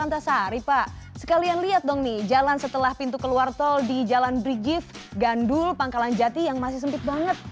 antasari pak sekalian lihat dong nih jalan setelah pintu keluar tol di jalan brigif gandul pangkalan jati yang masih sempit banget